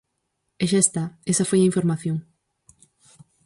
E xa está, esa foi a información.